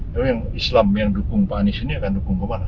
tapi islam yang dukung pak anies ini akan dukung ke mana